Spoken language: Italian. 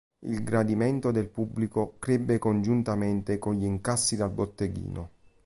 Il gradimento del pubblico crebbe congiuntamente con gli incassi al botteghino.